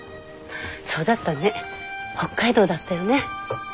そうだったね北海道だったよね。